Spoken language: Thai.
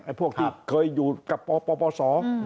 ไอ้พวกเกิดอยู่กับปปปส